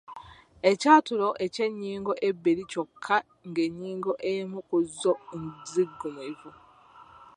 Ekyatulo eky’ennyingo ebbiri kyokka ng’ennyingo emu ku zo nzigumivu.